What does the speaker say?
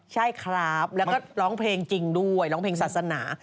ใช่ครับแล้วก็ร้องเพลงจริงด้วยร้องเพลงศาสนา